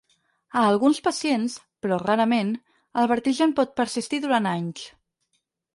A alguns pacients, però rarament, el vertigen pot persistir durant anys.